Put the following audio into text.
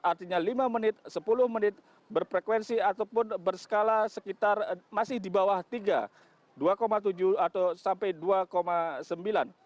artinya lima menit sepuluh menit berfrekuensi ataupun berskala sekitar masih di bawah tiga dua tujuh atau sampai dua sembilan